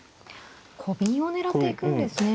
コビンを狙っていくんですね。